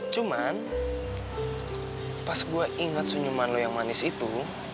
cuman pas gua inget senyuman lu yang manis itu